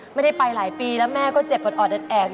ไม่ได้ไปหลายปีแล้วแม่ก็เจ็บออดแอด